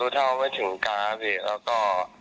รู้เท่าไปถึงการและก็